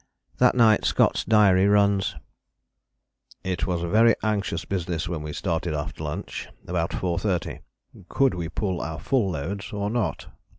That night Scott's diary runs: "It was a very anxious business when we started after lunch, about 4.30. Could we pull our full loads or not?